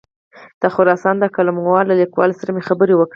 د خراسان د قلموال له لیکوال سره مې خبرې وکړې.